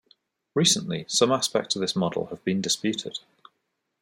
Recently, some aspects of this model have been disputed.